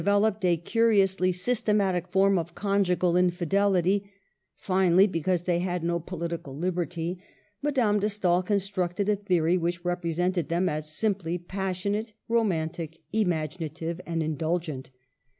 veloped a curiously systematic form of conjugal infidelity ; finally, because they had no political liberty, Madame de Stael constructed a theory which represented them as simply passionate, ro mantic, imaginative and indulgent.